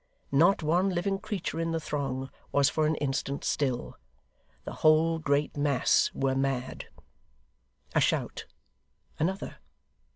Not one living creature in the throng was for an instant still. The whole great mass were mad. A shout! Another!